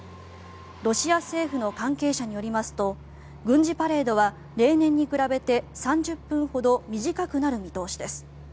ロシア政府の関係者によりますと軍事パレードは例年に比べて３０分ほど短くなる見通しです。